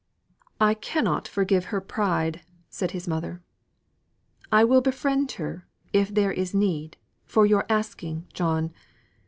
"I cannot forgive her her pride," said his mother; "I will befriend her, if there is need, for your asking, John.